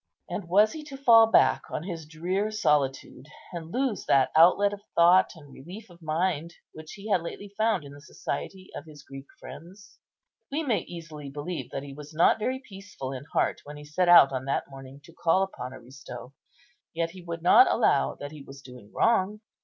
And was he to fall back on his drear solitude, and lose that outlet of thought and relief of mind which he had lately found in the society of his Greek friends? We may easily believe that he was not very peaceful in heart when he set out on that morning to call upon Aristo; yet he would not allow that he was doing wrong.